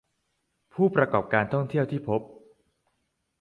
ผู้ประกอบการท่องเที่ยวที่พบ